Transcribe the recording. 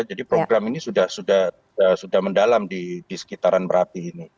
jadi program ini sudah mendalam di sekitaran merapi ini